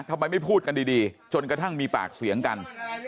ทำไมไม่พูดกันดีจนกระทั่งมีปากเสียงกัน